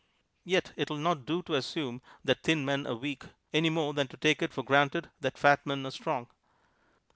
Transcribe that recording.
Yet it will not do to assume that thin men are weak, any more than to take it for granted that fat men are strong.